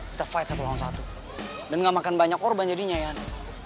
kita fight satu lawan satu dan gak makan banyak korban jadinya nian